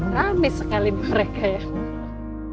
ramis sekali mereka ya